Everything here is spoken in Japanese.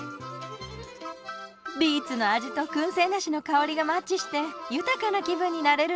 ビーツの味とくん製梨の香りがマッチして豊かな気分になれるんです。